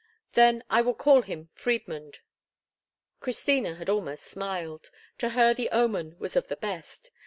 Then will I call him Friedmund." Christina had almost smiled. To her the omen was of the best.